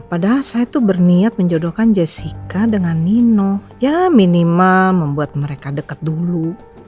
padahal saya tuh berniat menjodohkan jessica dengan nino ya minimal membuat mereka dekat dulu